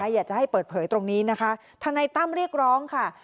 อยากจะให้เปิดเผยตรงนี้นะคะทนายตั้มเรียกร้องค่ะ